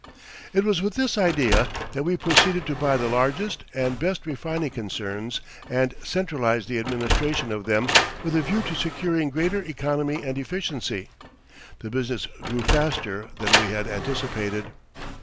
It was with this idea that we proceeded to buy the largest and best refining concerns and centralize the administration of them with a view to securing greater economy and efficiency. The business grew faster than we had anticipated.